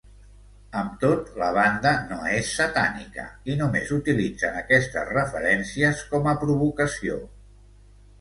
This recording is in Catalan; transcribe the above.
Amb tot, la banda no és satànica, i només utilitzen aquestes referències com a provocació.